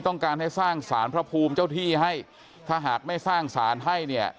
ต้องการให้สร้างสารพระภูมิเจ้าที่ให้ถ้าหากไม่สร้างสารให้เนี่ย